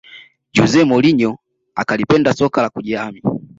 Jose Mourinho akalipenda soka la kujihami